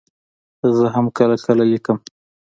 زه هم کله کله لیکم.